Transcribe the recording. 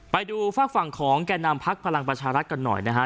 ไปดูฝากฝั่งของแก่นำพักพลังประชารัฐกันหน่อยนะฮะ